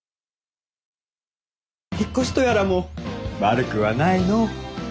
引っ越しとやらも悪くはないのぉ。